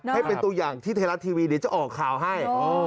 ให้เป็นตัวอย่างที่เทราะท์ทีวีจะออกข่าวให้